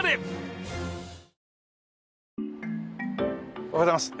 おはようございます。